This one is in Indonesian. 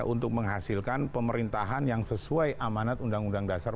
untuk menghasilkan pemerintahan yang sesuai amanat uu empat puluh lima